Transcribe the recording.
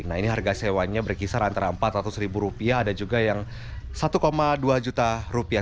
nah ini harga sewanya berkisar antara empat ratus ribu rupiah ada juga yang satu dua juta rupiah